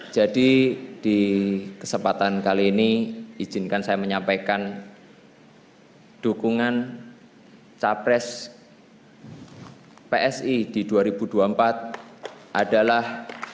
jadi di kesempatan kali ini izinkan saya menyampaikan dukungan capres psi di dua ribu dua puluh empat adalah